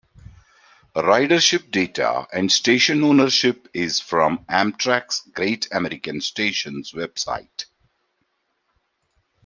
Ridership data and station ownership is from Amtrak's Great American Stations website.